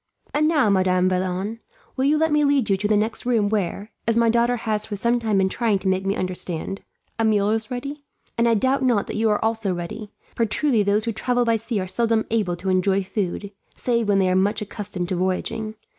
"And now, Madame Vaillant, will you let me lead you into the next room where, as my daughter has for some time been trying to make me understand, a meal is ready? And I doubt not that you are also ready; for truly those who travel by sea are seldom able to enjoy food, save when they are much accustomed to voyaging.